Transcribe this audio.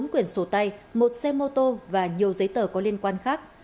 bốn quyển sổ tay một xe mô tô và nhiều giấy tờ có liên quan khác